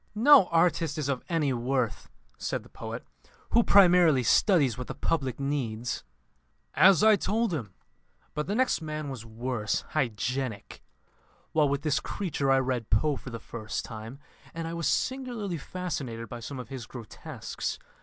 "No artist is of any worth," said the poet, "who primarily studies what the public needs." "As I told him. But the next man was worse hygienic. While with this creature I read Poe for the first time, and I was singularly fascinated by some of his grotesques.